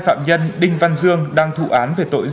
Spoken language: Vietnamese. hai phạm nhân đinh văn dương đang thụ án về tội dụng